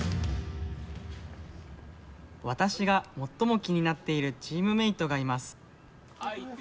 私が最も気になっているチームメートがいます。